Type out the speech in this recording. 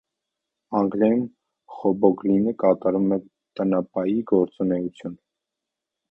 Անգլիայում խոբգոբլինը կատարում է տնապայի գործունեություն։